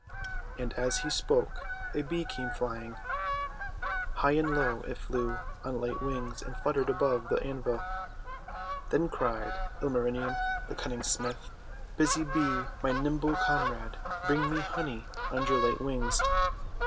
'2 And as he spoke, a Bee came flying. High and WHY UNLUCKY IRON KILLS 293 low it flew on light wings, and flittered above the anvil. Then cried Emarinen the Cunning Smith :— "Busy Bee, my nimble comrade, bring me honey on your light wings